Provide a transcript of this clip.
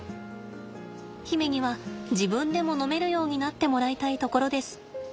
媛には自分でも飲めるようになってもらいたいところです。